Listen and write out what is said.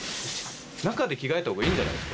中で着替えたほうがいいんじゃないですか？